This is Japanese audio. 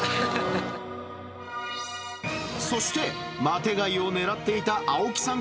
そして、マテ貝を狙っていた青木さん